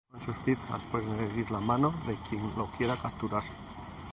Con sus pinzas puede herir la mano de quien lo quiera capturar.